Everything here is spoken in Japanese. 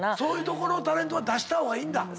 そういうところをタレントは出した方がいいんだ。